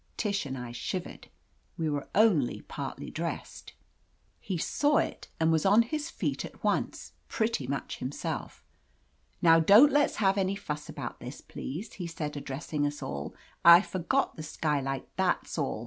Tish and I shivered. We were only partly dressed. He saw it and was on his feet at once, pretty much himself. "Now don't let's have any fuss about this, please," he said, addressing us all. "I forgot the skylight. That's all.